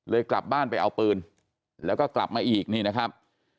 กลับบ้านไปเอาปืนแล้วก็กลับมาอีกนี่นะครับ